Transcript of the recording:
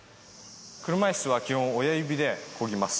車いすは基本、親指でこぎます。